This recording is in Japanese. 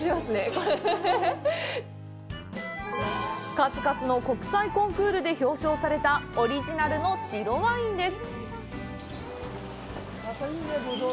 数々の国際コンクールで表彰された、オリジナルの白ワインです。